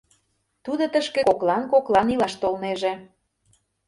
Тудо тышке коклан-коклан илаш толнеже.